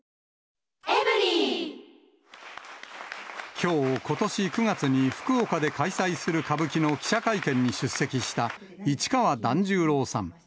きょう、ことし９月に福岡で開催する歌舞伎の記者会見に出席した、市川團十郎さん。